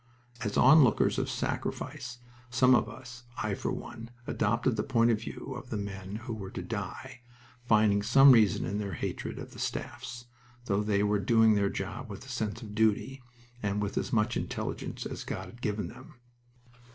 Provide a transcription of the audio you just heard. As onlookers of sacrifice some of us I, for one adopted the point of view of the men who were to die, finding some reason in their hatred of the staffs, though they were doing their job with a sense of duty, and with as much intelligence as God had given them.